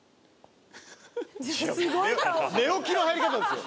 寝起きの入り方ですよ